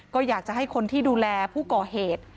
ก็อยากจะให้คนที่ดูแลผู้ก่อเหตุ